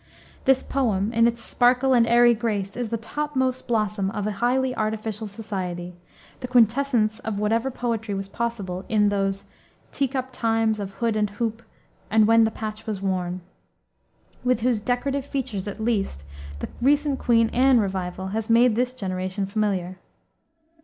This poem, in its sparkle and airy grace, is the topmost blossom of a highly artificial society, the quintessence of whatever poetry was possible in those "Teacup times of hood and hoop, And when the patch was worn," with whose decorative features, at least, the recent Queen Anne revival has made this generation familiar.